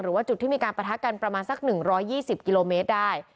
หรือว่าจุดที่มีการประทะกันประมาณสัก๑๒๐กิโลเมตรได้